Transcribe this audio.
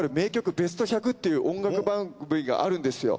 ベスト１００』っていう音楽番組があるんですよ。